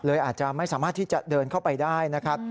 อาจจะไม่สามารถที่จะเดินเข้าไปได้นะครับ